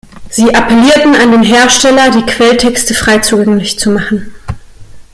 Sie appellierten an den Hersteller, die Quelltexte frei zugänglich zu machen.